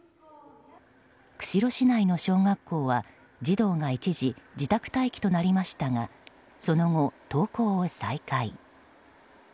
釧路市内の小学校は児童が一時自宅待機となりましたがその後、登校を再開。